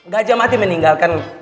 gajah mati meninggalkan